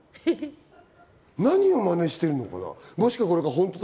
何をマネしてるのかな？